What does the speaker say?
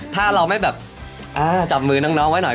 ถ้าเราไม่แบบจับมือน้องไว้หน่อย